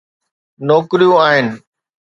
نوڪريون آهن.